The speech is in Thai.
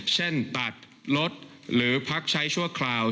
เช่นตัดรถหรือพักใช้ชั่วคราว